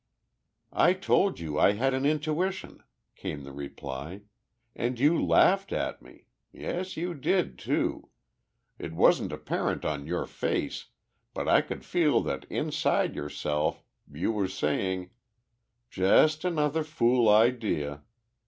"I told you I had an intuition," came the reply, "and you laughed at me. Yes you did, too! It wasn't apparent on your face, but I could feel that inside yourself you were saying, 'Just another fool idea.'